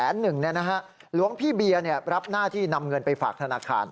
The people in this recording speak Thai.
๗๑๐๐๐๐เนี่ยนะฮะหลวงพี่เบียร้ับหน้าที่นำเงินไปฝากธนาคาร